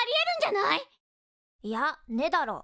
いやねえだろ。